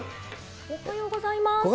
おはようございます。